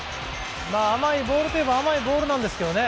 甘いボールといえば甘いボールなんですけどね。